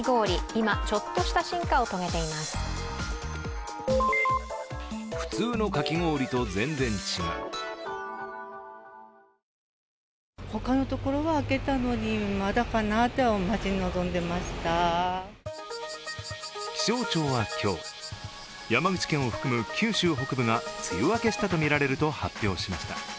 今、ちょっとした進化を遂げていま気象庁は今日、山口県を含む九州北部が梅雨明けしたとみられると発表しました。